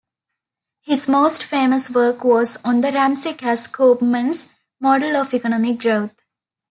His most famous work was on the Ramsey-Cass-Koopmans model of economic growth.